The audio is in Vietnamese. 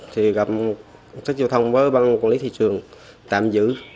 thì gặp sách giao thông với băng quản lý thị trường tạm giữ